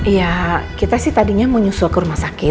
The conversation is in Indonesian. ya kita sih tadinya mau nyusul ke rumah sakit